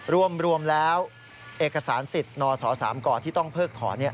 รวมแล้วเอกสารสิทธิ์นศ๓กที่ต้องเพิกถอน